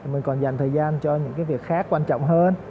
mình còn dành thời gian cho những cái việc khác quan trọng hơn